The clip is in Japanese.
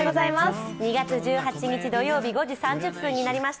２月１８日土曜日５時３０分になりました。